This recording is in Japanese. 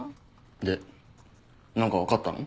で何か分かったの？